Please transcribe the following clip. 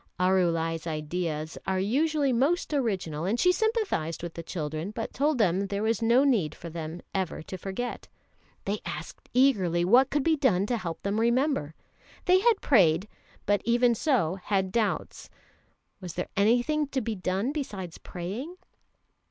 Arulai's ideas are usually most original, and she sympathised with the children, but told them there was no need for them ever to forget. They asked eagerly what could be done to help them to remember. They had prayed, but even so had doubts. Was there anything to be done besides praying?